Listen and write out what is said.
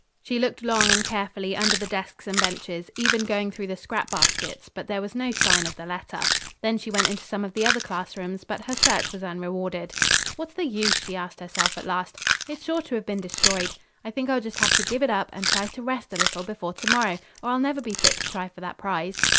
She looked long and carefully under the desks and benches, even going through the scrap baskets, but there was no sign of the letter. Then she went into some of the other class rooms, but her search was unrewarded. "What's the use?" she asked herself at last. "It's sure to have been destroyed. I think I'll just have to give it up, and try to rest a little before to morrow, or I'll never be fit to try for that prize."